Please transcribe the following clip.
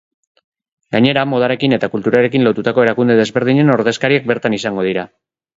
Gainera, modarekin eta kulturarekin lotutako erakunde desberdinen ordezkariak bertan izango dira.